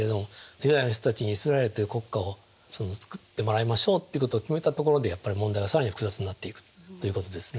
ユダヤの人たちにイスラエルっていう国家をつくってもらいましょうっていうことを決めたところでやっぱり問題は更に複雑になっていくということですね。